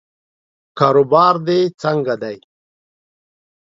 کاروبار دې څنګه دی؟